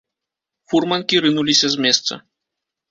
Фурманкі рынуліся з месца.